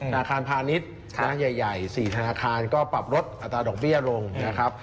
อาคารพาณิชย์ใหญ่๔ธนาคารก็ปรับลดอัตราดอกเบี้ยลงนะครับ